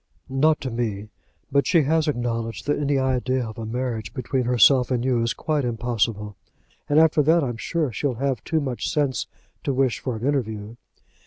"Not to me; but she has acknowledged that any idea of a marriage between herself and you is quite impossible, and after that I'm sure she'll have too much sense to wish for an interview.